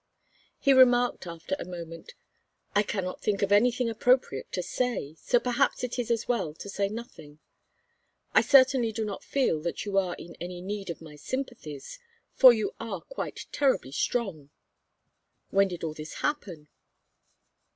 He remarked after a moment: "I cannot think of anything appropriate to say, so perhaps it is as well to say nothing. I certainly do not feel that you are in any need of my sympathies, for you are quite terribly strong. When did all this happen?"